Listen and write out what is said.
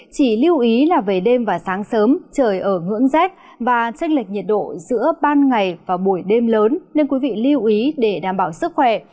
chỉ lưu ý là về đêm và sáng sớm trời ở ngưỡng rét và trách lệch nhiệt độ giữa ban ngày và buổi đêm lớn nên quý vị lưu ý để đảm bảo sức khỏe